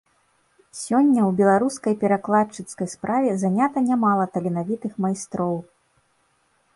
Сёння ў беларускай перакладчыцкай справе занята нямала таленавітых майстроў.